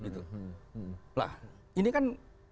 nah ini kan